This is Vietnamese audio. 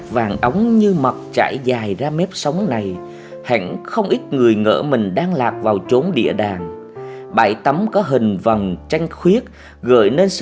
và nơi đón ánh bình minh đầu tiên